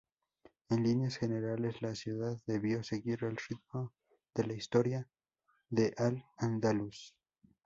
En líneas generales, la ciudad debió seguir el ritmo de la historia de Al-Andalus.